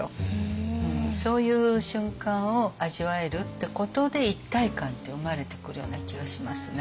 そういう瞬間を味わえるってことで一体感って生まれてくるような気がしますね。